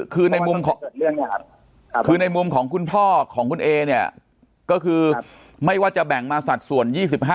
คือในมุมของคือในมุมของคุณพ่อของคุณเอเนี่ยก็คือไม่ว่าจะแบ่งมาสัดส่วน๒๕